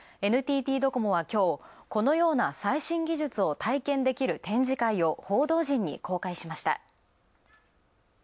ＮＴＴドコモはきょう、このような最新技術を体験できる展示会を報道陣に公開しました。